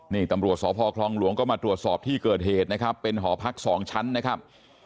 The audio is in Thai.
นี่ตำรวจสพคลองหลวงก็มาตรวจสอบที่เกิดเหตุนะครับเป็นหอพักสองชั้นนะครับ